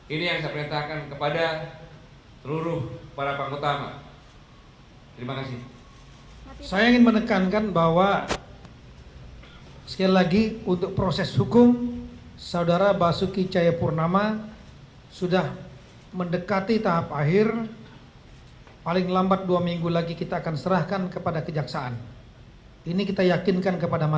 ini yang saya perintahkan kepada anda